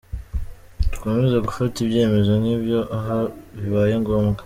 Tuzakomeza gufata ibyemezo nk’ibyo aho bibaye ngombwa.